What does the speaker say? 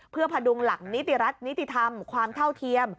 เพื่อพดุงหลักนิติรัฐนิติธรรมความเท่าเทียม